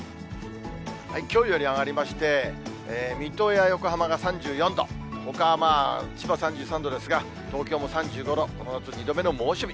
きょうより上がりまして、水戸や横浜が３４度、ほかはまあ、千葉３３度ですが、東京も３５度、この夏２度目の猛暑日。